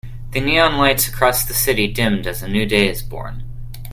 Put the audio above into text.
The neon lights across the city dimmed as a new day is born.